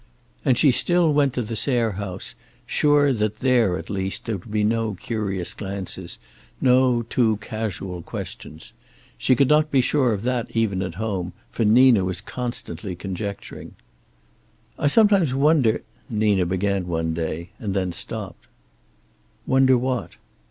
And she still went to the Sayre house, sure that there at least there would be no curious glances, no too casual questions. She could not be sure of that even at home, for Nina was constantly conjecturing. "I sometimes wonder " Nina began one day, and stopped. "Wonder what?"